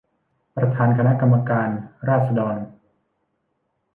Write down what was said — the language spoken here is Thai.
ประธานคณะกรรมการราษฎร